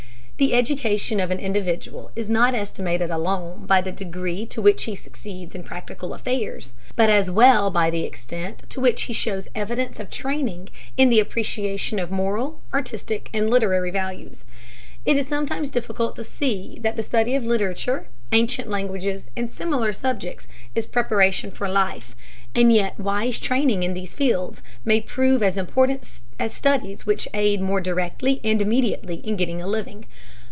The education of an individual is not estimated alone by the degree to which he succeeds in practical affairs, but as well by the extent to which he shows evidence of training in the appreciation of moral, artistic, and literary values. It is sometimes difficult to see that the study of literature, ancient languages, and similar subjects is preparation for life, and yet wise training in these fields may prove as important as studies which aid more directly and immediately in getting a living.